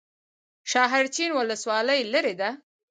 شاحرچین ولسوالۍ لیرې ده؟